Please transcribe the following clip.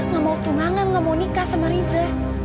gak mau tunangan nggak mau nikah sama riza